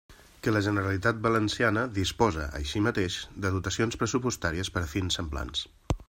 Que la Generalitat Valenciana disposa, així mateix, de dotacions pressupostàries per a fins semblants.